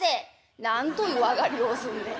「なんという上がりをすんねん。